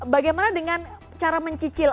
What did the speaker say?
bagaimana dengan cara mencicil